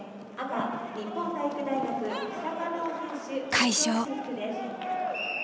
快勝。